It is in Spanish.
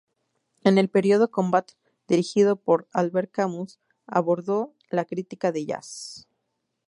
En el periódico Combat —dirigido por Albert Camus—, abordó la crítica de "jazz".